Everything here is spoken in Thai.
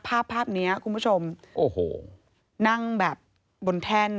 ภาพนี้คุณผู้ชมนั่งแบบบนแท่น